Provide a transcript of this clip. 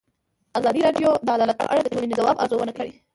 ازادي راډیو د عدالت په اړه د ټولنې د ځواب ارزونه کړې.